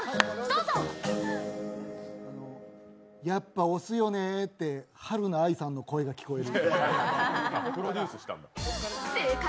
やっぱ押すよねってはるな愛さんの声が聞こえる。